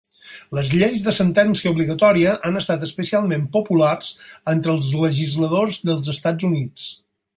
Les lleis de sentència obligatòria han estat especialment populars entre els legisladors dels Estats Units.